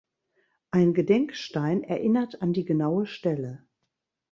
Ein Gedenkstein erinnert an die genaue Stelle.